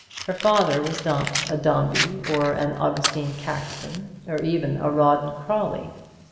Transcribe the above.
Her father was not a Dombey, or an Augustine Caxton, or even a Rawdon Crawley.